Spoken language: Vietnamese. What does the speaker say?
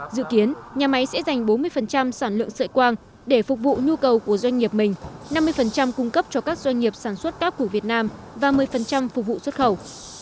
dự kiến nhà máy sẽ dành bốn mươi sản lượng sợi quang để phục vụ nhu cầu của doanh nghiệp mình năm mươi cung cấp cho các doanh nghiệp sản xuất tác của việt nam và một mươi phục vụ xuất khẩu